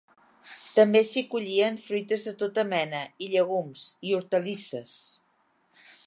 També s'hi collien fruites de tota mena i llegums i hortalisses.